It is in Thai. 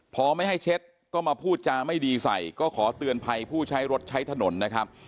พอไม่ให้เช็ดก็มาพูดจาไม่ดีใส่ก็ขอเตือนภัยผู้ใช้รถใช้ถนนนะครับ